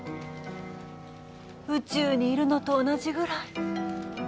宇宙にいるのと同じぐらい。